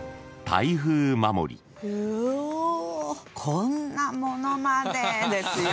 こんなものまで！？ですよね。